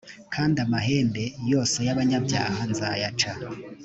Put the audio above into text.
kandi amahembe yose y abanyabyaha nzayaca